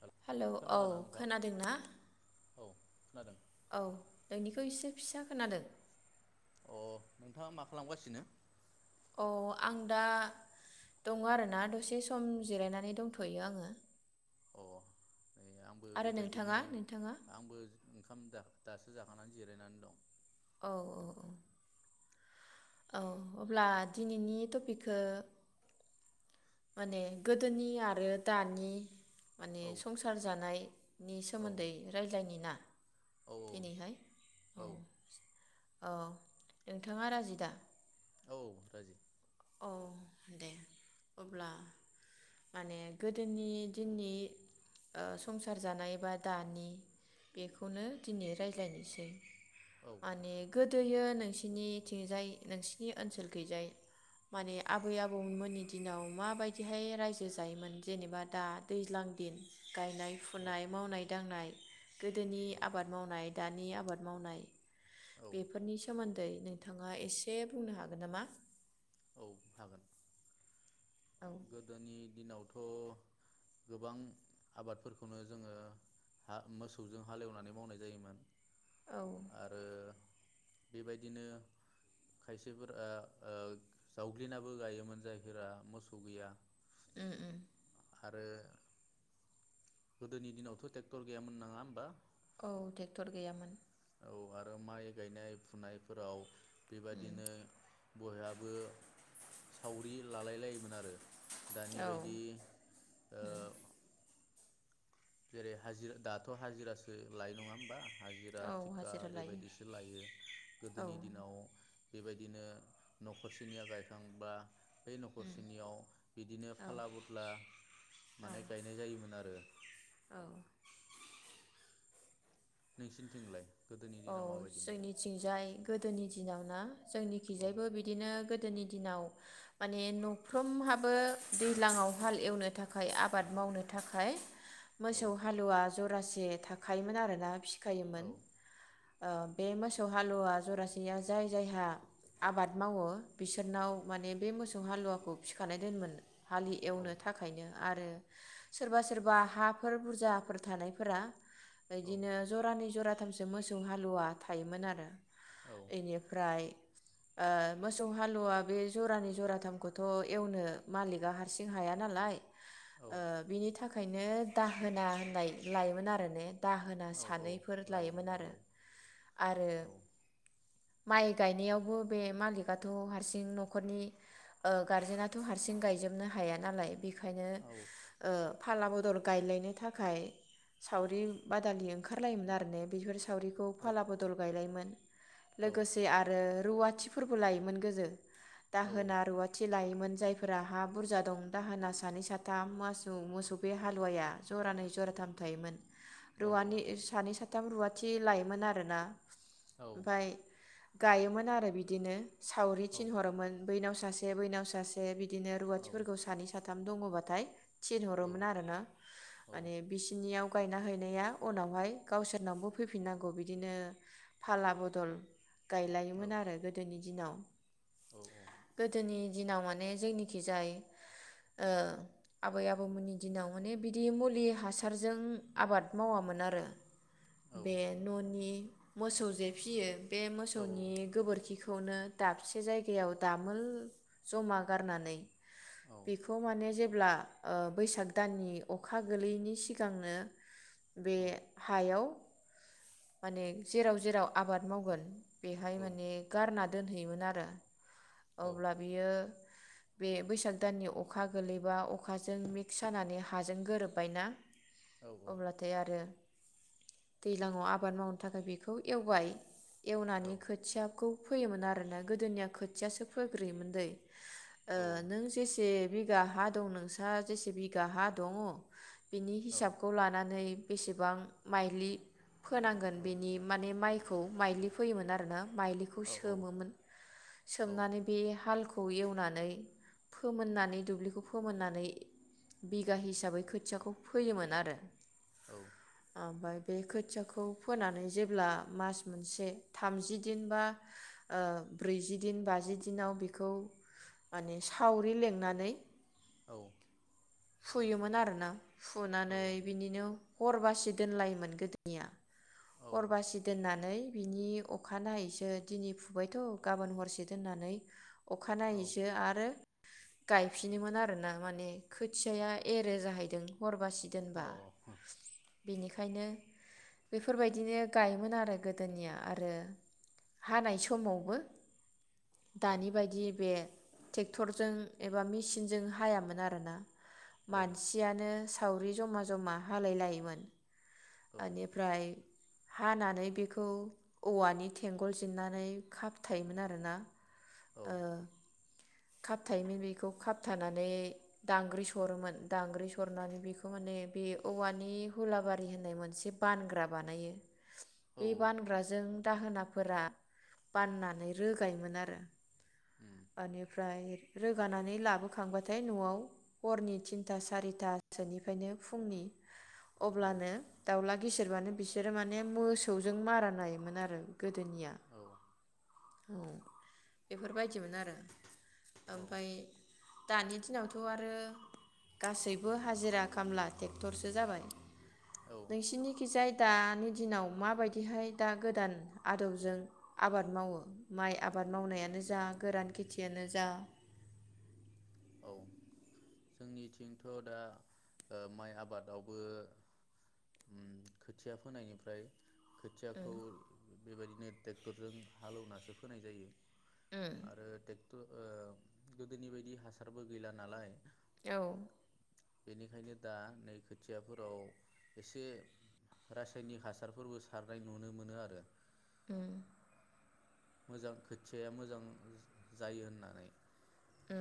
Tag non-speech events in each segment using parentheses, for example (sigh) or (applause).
हेल' hello औ खोनादोंना नोंथां खोनादों ना औ खोनादों औ नोंनिखौ इसे फिसा खोनादों अ नोंथाङा मा खालामगासिनो औ आं दा दङो आरोना दसे सम जिरायनानै दंथ'यो आङो अ नै आंबो आरो बेबायदिनो नोंथाङा नोंथाङा आंबो ओं ओंखाम दा दासो जाखांनानै जिरायनानै दं औ औ औ औ अब्ला दिनैनि टपिकखो माने गोदोनि आरो दानि माने औ संसार जानाय नि औ सोमोन्दै रायज्लायनि ना औ दिनैहाय औ औ नोंथाङा राजि दा औ राजि औ दे अब्ला माने गोदोनि दिननि ओ संसार जानाय बा दानि बेखौनो दिनै रायज्लायनोसै औ माने गोद गोदोयो नोंसिनिथिंजाय नोंसिनि ओनसोल खैजाय माने आबै आबौमोननि दिनाव माबायदिहाय रायजो जायोमोन जेनेबा दा दैज्लां दिन गायनाय औ फुनाय मावनाय दांनाय गोदोनि औ आबाद मावनाय दानि आबाद मावनाय औ बेफोरनि सोमोन आदै नोंथाङा एसे बुंनो हागोन नामा औ हागोन औ गोदोनि दिनावथ' गोबां आबादफोरखौनो जोङो ओ मोसौजों हालेवनानै मावनाय जायोमोन औ आरो बेबायदिनो खायसेफोरा ओ जावग्लिनाबो गायोमोन जायफोरा मोसौ थ' गैया ओम ओम आरो गोदोनि दिनावथ' टेक्टर गैयामोन नङा होमबा औ ट्रेक्टर गैयामोन औ आरो माइ गायनाय फुनायफोराव बेबादिनो बयहाबो सावरि लालाय लायोमोन आरो दानि औ बायदि ओ जेरै हाजिरा दाथ' हाजिरासो लायो नङा होमबा हाजिरा औ थिखा हाजिरा लायो बेबायदिसो लायो औ गोदोनि दिनाव बेबायदिनो न'खरसेनिया गायखांबा बे न'खरसेनियाव बिदिनो औ फाला बुदला माने गायनाय जायोमोन आरो औ नोंसिनिथिंलाय गोदोनि औ दिनाव माबायदिमोन जोंनिथिंजाय गोदोनि दिनावना जोंनि औ खिजायबो बिदिनो गो गोदोनि दिनाव माने न'फ्रोमहाबो दैज्लाङाव हाल एवनो थाखाय आबाद मावनो थाखाय औ मोसौ हालुवा जरासे थाखायोमोन आरोना औ खायोमोन ओ बे मोसौ हालुवा जरासेया जाय जायहा आबाद मावो बिसोरनाव माने बे मोसौ हालुवाखौ फिखानाय दोनोमोन हालि औ एवनो थाखायनो आरो सोरबा सोरबा हाफोर बुरजाफोर थानायफोरा औ इदिनो जरानै जरा मोसौ हालुवा थायोमोन आरो औ इनिफ्राय ओ मोसौ हालुवा बे जरानि जराथामखौथ' एवनो मालिकआ हारसिं हाया नालाय औ ओ बिनि थाखाय ओंखायनो दाहोना होननाय लायोमोन आरो ने दाहोना औ औ सानैफोर लायो लायोमोन औ जानो लायो आरो औ माइ गायनायावबो बे मालिकआथ' हारसिं न'खरनि गारजेनाथ' हारसिं गायजोबनो हाया नालाय बे बेखायनो औ ओ फाला बदल गायलायनो थाखाय सावरि बादालि ओंखारलायोमोन आरो ने (unintelligible) सावरिखौ औ फाला बदल गायलायोमोन औ लोगोसे आरो रुवाथिफोरबो लायोमोन गोदो औ दाहोना रुवाथि लायोमोन जायफोर फोर हा बुरजा दं दाहोना सानै साथाम मौ मोसौ बे हालुवाया जरानै जराथाम थायोमोन औ रुवाथे सानै साथाम खिथाम रुवाथि लायोमोन आरो ना। ओमफ्राय गायोमोन आरो बिदिनो सावरि थिनहरोमोन बैनाव सासे बैनाव सासे बिदि बिदिनो रुवाथिफोरखौ सानै साथाम दङबाथ थाय थिनहरोमोन आरो ना माने बिसिनियाव गायना हैनाया उनावहाय गावसोरनावबो फैफिननांगौ बिदिनो फाला बदल गायलायोमोन आरो गोदोनि दिनाव गोदोनि दिनाव माने जोंनिखि जाय ओ आबै आबौमोननि दिनाव माने बिदि मुलि हासारजों आबाद मावामोन आरो‌। बे न'नि मोसौ जे फिसियो बे मोसौनि गोबोरखिखौनो दाबसे जायगायाव दामोल जमा गारनानै बेखौ माने जेब्ला ओ बैसाग दाननि अखा गोलैयैनि सिगांनो बे हायाव माने जेराव जेराव आबाद मावगोन। बेहाय माने गारना दोनहैयोमोन आरो। अब्ला बियो बे बैसाग दाननि अखा गोलैबा अखाजों मिक्स जानानै हाजों गोरोब्बायना अब्लाथाय आरो दैज्लाङाव आबाद मावनो थाखाय बेखौ एवबाय एवनानै खोथियाखौ फैयोमोन आरोना गोदोनिया खोथियासो फोग्रोयोमोन दै। ओ नों जेसे बिघा हा दं नोंस्रा जेसे बिघा हा दङ। बिनि हिसाबखौ लानानै बेसेबां माइलि फोनांगोन बेनि माने माइ खौ माइलि फैयोमोन आरो ना माइलिखौ सोमोमोन सोबनानै बे हालखौ खौ एवनानै फोमोननानै दुब्लिखौ फोमोननानै बिगा हिसाबै खोथियाखौ फोयोमोन आरो औ ओमफ्राय बे खोथियाखौ फोनानै जेब्ला मास मोनसे थामजि दिन बा ओ ब्रैजि दिन बाजि दिनाव बेखौ माने सावरि लिंनानै औ फुयोमोन आरोना फुनानै बिनिनो हर बासि दोनलायोमोन गोदोनिया हर बासि दोननानै बिनि अखानायैसो दिनै फुबायथ' गाबोन हरसे दोननानै अखानायैसो आरो गायफिनोमोन आरोना माने खोथियाया एरो जाहैदों हरबासि दोनबा बेखायनो बेफोरबायदिनो गायोमोन आरो गोदोनिया आरो हानाय समावबो दानि बायदि बे ट्रेक्टरजों एबा मेचिनजों हायामोन आरोना मानसियानो सावरि जमा जमा हालाय लायोमोन औ औ बेनिफ्राय हानानै बेखौ औवानि थेंगल जेननानै खाफथायोमोन आरोना औ ओ खाबथायोमोन बेखौ खाबथानानै दांग्रि सरोमोन दांग्रि सरनानै बेखौ माने बे औवानि हुलाबारि होननाय मोनसे बानग्रा बानायो औ बे बानग्राजों दाहोना फोरा बाननानै रोगायोमोन आरो उम आ ओमफ्राय रोगानानै लाबोखांबाथाय न'आव हरनि थिनथा सारिथासोनिफ्रायनो फुंनि औ अब्लानो दाउला गिसिरबानो बिसोरो माने मोसौजों मारा नायोमोन आरो गोदोनिया औ ओ बेफोरबायदिमोन आरो औ ओमफ्राय दानि दिनावथ' आरो गासैबो हाजिरा खामला ट्रेक्टरसो जाबाय औ नोंसिनिखि जाय दानि दिनाव माबायदिहाय दा गोदान आदबजों आबाद मावो माइ आबाद मावनायानो जा गोरान खेथियानो जा औ जोंनिथिंथ' दा ओ माइ आबादावबो उ खोथिया फोनायनिफ्राय खोथियाखौ बेबायदिनो ट्रेक्टरजों हालौनासो फोनाय जायो आरो ओ गोदोनि बायदि हा सारबो गैला नालाय औ बेनिखायनो दा नै खोथियाफोराव एसे रासायनिक हासारफोरबो सारनाय नुनो मोनो आरो उम मोजां खोथियाया मोजां जायो होननानै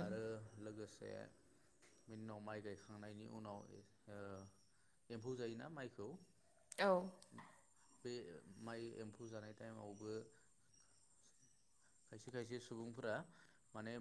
आरो लोगो से बिनि उनाव माइ गायखांनायनि उनाव ओ एमफौ जायोना माइखौ औ बे माइ एमफौ जानाय टाइमावबो खायसे खायसे सुबुंफोरा माने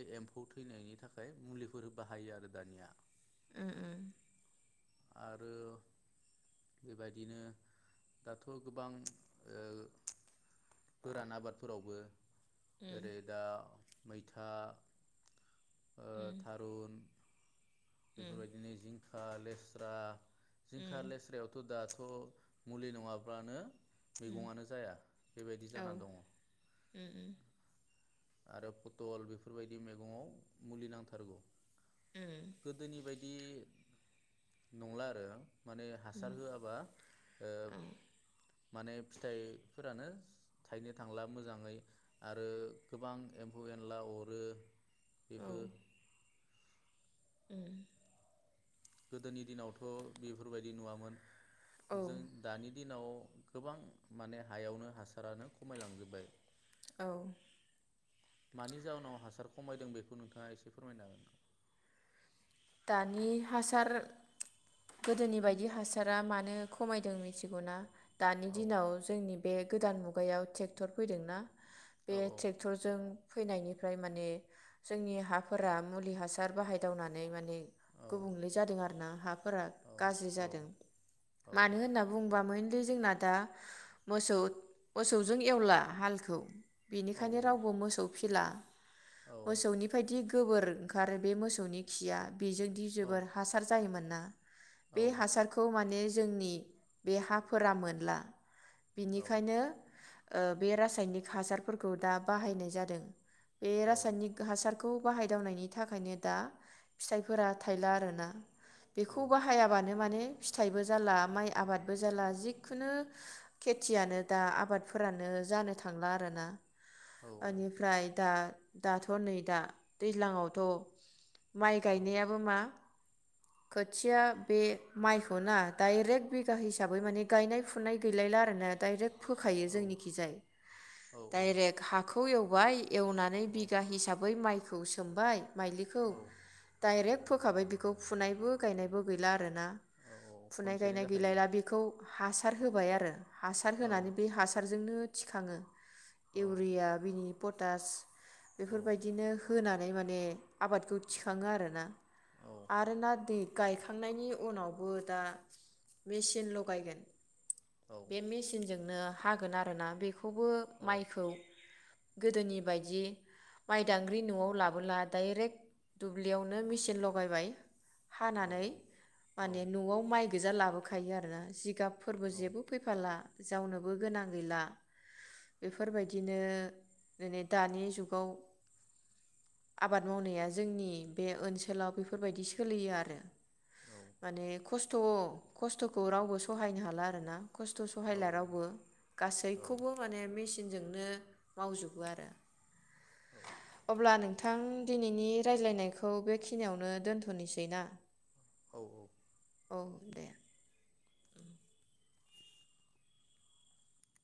ओइ एमफौ थैनायनि थाखाय मुलिफोर बाहायो आरो दानिया उम उम आरो बेबायदिनो दाथ' गोबां गोरान आबादफोरावबो जेरै दा मैथा ओ थारुन बेफोरबायदिनो जिं जिंखा लेस्रा जिंखा लेस्रायावथ' दा थ' मुलि नङाब्लानो मैगंआनो जाया बेबायदि औ जाना दङ आरो पथल बेफोरबायदि मैगङाव मुलि नांथारगौ गोदोनि बायदि बिदि नंला आरो माने हासार होआबा माने फिथाइफोरानो थायनो थांला मोजाङै आरो गोबां एम्फौ एनला अरो बिफोर उम गोदोनि दिनावथ' बेफोरबायदि नुवामोन। औ जों दानि दिनाव गोबां माने हायावनो हासारानो खमायलांजोबबाय। औ मानि जाउनाव हासार खमायदों बेखौ नोंथाङा एसे फोरमायनो हागोन नामा? दानि हासार गोदोनि बायदि हासारा मानो खमायदों मिथिगौना? दानि हागोन दिनाव जोंनि बे गोदान मुगायाव टेक्टर फैदों ना बे औ ट्रेक्टरजों फैनायनिफ्राय माने जोंनि हाफोरा मुलि हासार बाहायदावनानै मान ने गुबुंले जादों आरो ना। फोरा औ गाज्रि औ जादों औ मानो होनना बुंबा मोन लि जोंना दा मोसौ मोसौजों एवला हालखौ औ बेनिखायनो रावबो मोसौ फिला औ मोसौनि फायदि गोबोर ओंखारो बे मोसौनि खिया बेजोंदि औ जोबोर हासार जायोमोन ना औ बे हासारखौ माने जोंनि बे हाफोरा मोनला औ बिनिखायनो ओ बे रासायनिक हासारफोरखौ दा बाहायनाय जादों। बे औ रासायनिक हासार खौ बाहायदावनायनि थाखायनो दा फिथाइफोरा थायला आरो ना। बेखौ बाहायाबानो माने फिथाइबो जाला माइ आबादबो जाला जिखुनु खेथियानो दा आबादफोरानो जानो थांला आरो ना। ओनिफ्राय दा दाथ' नै दा दैज्लांआवथ' माइ गायनायाबो मा खोथिया बे माइखौ ना दायरेक्ट बिगा हिसाबै माने गायनाय फुनाय गैलायला आरो ना दायरेक्ट फोखायो जोंनिखिजाय डाइरेक्ट हाखौ एवबाय एवनानै औ बिगा हिसाबै माइख खौ सोमबाय माइलिखौ औ डाइरेक्ट फोखाबाय बिखौ फुनायबो गायनायबो गैला आरो ना औ फुनाय खनसेनो गायनाय जाखायो गैलायला बेखौ हासार होबाय आरो हासार होनानै औ बे हासारजोंनो थिखाङो औ इउरिया बिनि पटास औ बेफोरबायदिनो होनानै माने आबादखौ थिखाङो आरो ना औ आरो नाटि गायखांनायनि उनावबो दा मेचिन लगायगोन औ बे मेचिनजों नो हागोन आरो ना बे खौबो औ माइखौ गोदोनि बायदि माइदांग्रि न'आव लाबोला डाइरेक्ट दुब्लियावनो मेचिन लगायबाय हानानै औ माने न'आव माइ गोजा लाबो खायो आरोना जिगाब फोरबो जेबो फैफाला जावनोबो गोनां गैला बेफोरबायदिनो दानि जुगाव आबाद मावनाया जोंनि बे ओनसोलाव बेफोरबायदि सोलियो आरो माने खस्थ' खस्थ'खौ रावबो सहायनो हाला आरो ना खस्थ' सहायला रावबो गासैखौबो माने मेसिन नजोंनो मावजोबो आरो अब्ला नों थां दिनैनि रायज्लायनायखौ बेखिनियावनो दोन्थ'नोसै ना औ औ औ दे